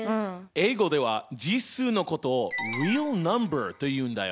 英語では実数のことをｒｅａｌｎｕｍｂｅｒというんだよ。